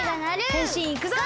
へんしんいくぞ！